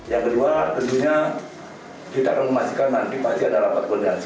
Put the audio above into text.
yang kedua tentunya kita akan memastikan nanti pasti ada rapat koordinasi